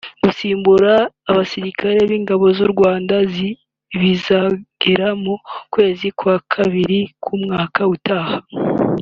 Gusimbura abasirikare b’Ingabo z’u Rwanda bizagera mu kwezi kwa Kabiri k’umwaka utaha